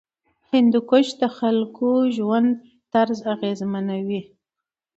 هندوکش د خلکو ژوند طرز اغېزمنوي.